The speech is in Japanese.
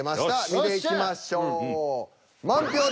見ていきましょう。